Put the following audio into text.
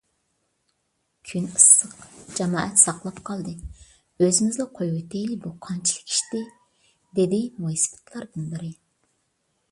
كۈن ئىسسىق، جامائەت ساقلاپ قالدى، ئۆزىمىزلا قويۇۋېتەيلى، بۇ قانچىلىك ئىشتى؟ _ دېدى مويسىپىتلاردىن بىرى.